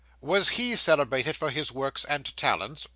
'Was he celebrated for his works and talents?